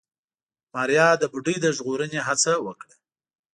ماريا د بوډۍ د ژغورنې هڅه وکړه.